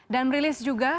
dan merilis juga